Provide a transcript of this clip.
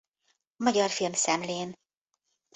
Magyar Filmszemlén.